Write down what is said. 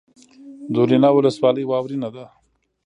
دولینه ولسوالۍ واورین ده؟